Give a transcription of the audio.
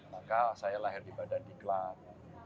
maka saya lahir di badan diklat